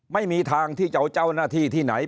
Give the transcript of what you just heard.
ไม่มีทางที่จะเอาเจ้าหน้าที่ที่ไหน